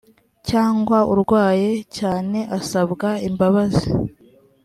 cyangwa urwaye cyane asabwa imbabazi